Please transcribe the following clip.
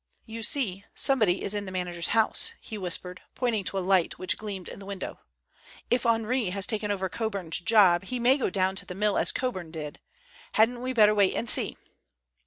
"You see, somebody is in the manager's house," he whispered, pointing to a light which gleamed in the window. "If Henri has taken over Coburn's job he may go down to the mill as Coburn did. Hadn't we better wait and see?"